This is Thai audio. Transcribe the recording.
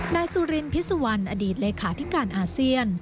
นายสุรินพิษสุวรรณอดีตเลขาธิการอาเซียน